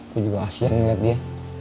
gue juga kasian ngeliat dia